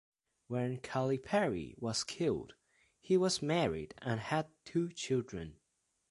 When Calipari was killed, he was married and had two children.